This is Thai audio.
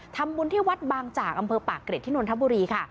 ทำบุญที่วัดบางจากอำเภอปากเกร็ดที่นนทบุรีค่ะ